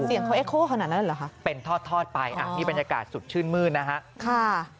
เสียงเขาเอ็โคขนาดนั้นเหรอคะเป็นทอดทอดไปอ่ะนี่บรรยากาศสดชื่นมืดนะฮะค่ะ